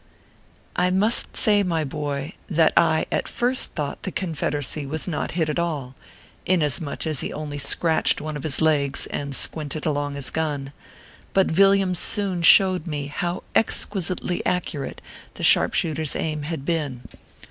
I must say, my boy, that I at first thought the Confederacy was not hit at all, inasmuch as he only scratched one of his legs and squinted along his gun ; but Villiam soon showed me how exquisitely accu rate the sharpshooter s aim had been.